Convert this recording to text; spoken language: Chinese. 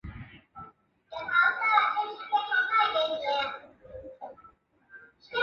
罗伯特斯坦恩是哥伦比亚大学建筑系硕士以及耶鲁大学建筑系的硕士。